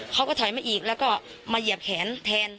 เขาก็ถอยมาอีกแล้วก็มาเหยียบแขนแทน